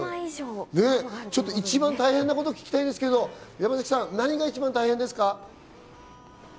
一番大変なことを聞きたいと思うんですけど、山崎さん、何が一番大変ですか？